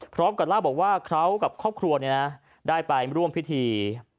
พร้อมกับเล่าบอกว่าเขากับครอบครัวได้ไปร่วมพิธี